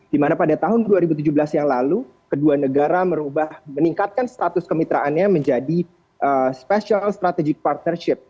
dimana pada tahun dua ribu tujuh belas yang lalu kedua negara meningkatkan status kemitraannya menjadi special strategic partnership